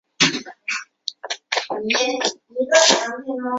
可用于攻击坦克装甲车辆及其它硬壁防御工事。